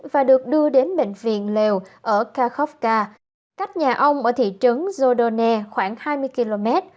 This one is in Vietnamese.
và được đưa đến bệnh viện lều ở kharkovka cách nhà ông ở thị trấn zhodone khoảng hai mươi km